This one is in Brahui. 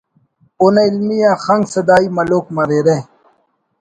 اونا علمی آ خنک سدائی ملوک مریرہ